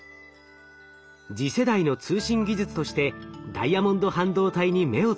次世代の通信技術としてダイヤモンド半導体に目をつけます。